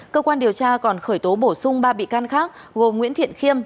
cơ quan điều tra còn khởi tố bổ sung ba bị can khác gồm nguyễn thiện khiêm